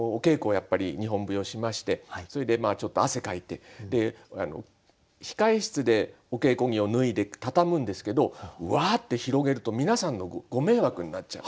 やっぱり日本舞踊しましてそれで汗かいて控え室でお稽古着を脱いでたたむんですけどわって広げると皆さんのご迷惑になっちゃう。